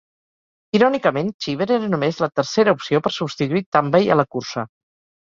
Irònicament, Cheever era només la tercera opció per substituir Tambay a la cursa.